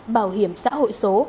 bảo hiểm xã hội số